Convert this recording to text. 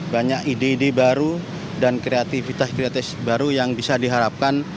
banyak ide ide baru dan kreativitas kreati baru yang bisa diharapkan